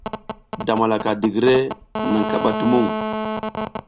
Damalaka digire naŋ kaɓa tumuŋ.